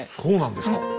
そうなんですか。